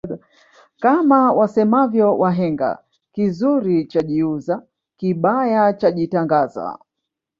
Kama wasemavyo wahenga kizuri chajiuza kibaya chajitangaza